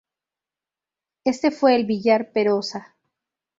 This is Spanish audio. Este fue el Villar-Perosa.